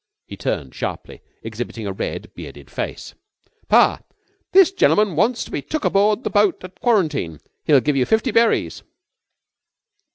He turned sharply, exhibiting a red, bearded face. "Pa, this gen'man wants to be took aboard the boat at quarantine. He'll give you fifty berries."